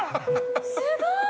すごーい！